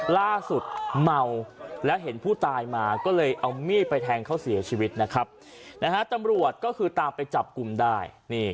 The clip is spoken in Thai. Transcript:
ล่าสุดเมาแล้วเห็นผู้ตายมาก็เลยเอามีดไปแทงเขาเสียชีวิตนะครับตำรวจก็คือตามไปจับกลุ่มได้